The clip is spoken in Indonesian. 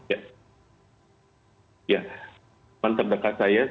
ya teman terdekat saya sebagai contohnya mereka sangat menghargai sekali ketika saya berpuasa